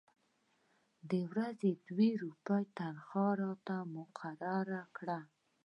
د ورځې دوې روپۍ تنخوا راته مقرره کړه.